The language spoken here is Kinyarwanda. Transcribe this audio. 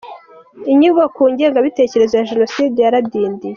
Inyigo ku ngengabitekerezo ya Jenoside yaradindiye.